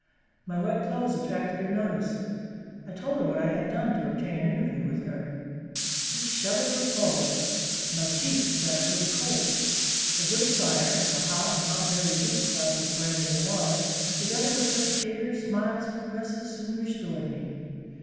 My wet clothes attracted her notice. I told her what I had done to obtain an interview with her. She shuddered with horror! my teeth chattered with cold. A good fire, a hot and not very weak glass of brandy and water, together with her tears, smiles, and caresses, soon restored me.